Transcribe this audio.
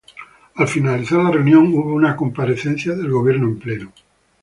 Al finalizar la reunión hubo una comparecencia del Gobierno en pleno.